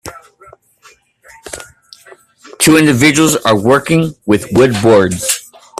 Two individuals are working with wood boards.